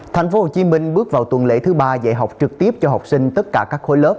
thành phố hồ chí minh bước vào tuần lễ thứ ba dạy học trực tiếp cho học sinh tất cả các khối lớp